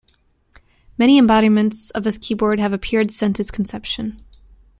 Many embodiments of this keyboard have appeared since its conception.